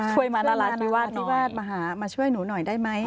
ช่วยมานาราธิวาสมาหามาช่วยหนูหน่อยได้ไหม